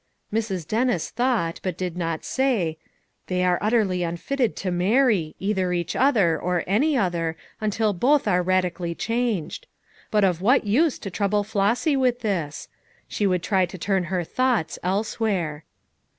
Mrs. Dennis thought — but did not say — "They are utterly unfitted to marry; either each other or any other until both are radically changed," But of what use to trouble Flossy with this? She would try to turn her thoughts elsewhere.